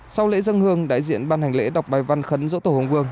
sau lễ dân hương đại diện ban hành lễ đọc bài văn khấn dỗ tổ hùng vương